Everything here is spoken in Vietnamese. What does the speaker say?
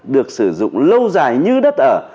được sử dụng lâu dài như đất ở